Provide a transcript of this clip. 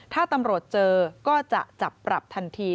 ถ้าตำรวจเจอก็จะจับปรับทันที